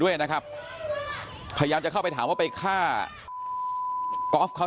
ต้องมาป้องเพื่อนมาปกป้องเพื่อน